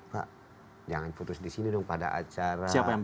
pak jangan putus di sini dong pada acara